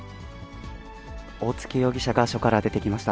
大槻容疑者が署から出てきました。